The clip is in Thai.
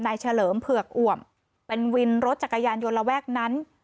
เฉลิมเผือกอ่วมเป็นวินรถจักรยานยนต์ระแวกนั้น